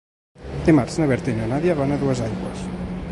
Dimarts na Berta i na Nàdia van a Duesaigües.